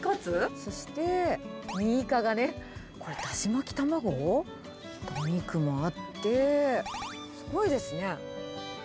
そして煮イカがね、だし巻き卵、お肉もあって、すごいですね。